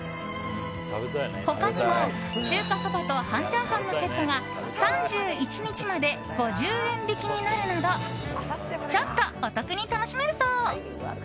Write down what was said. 他にも、中華そばと半チャーハンのセットが３１日まで５０円引きになるなどちょっとお得に楽しめるそう。